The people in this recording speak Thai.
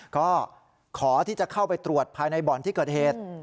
ก็ขอที่จะเข้าไปตรวจภายในบ่อนที่เกิดเหตุ